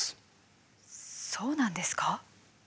そうなんですか？